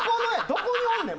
どこにおんねん？